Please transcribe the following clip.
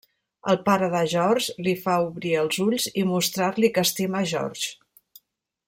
El pare de George li fa obrir els ulls i mostrar-li que estima George.